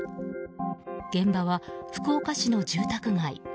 現場は福岡市の住宅街。